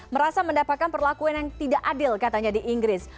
merasa mendapatkan perlakuan yang tidak adil katanya di inggris